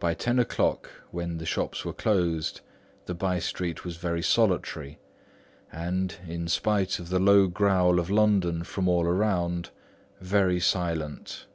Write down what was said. By ten o'clock, when the shops were closed, the by street was very solitary and, in spite of the low growl of London from all round, very silent.